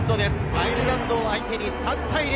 アイルランド相手に３対０。